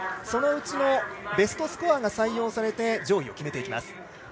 そのうちのベストスコアが採用されて上位を決めていきます。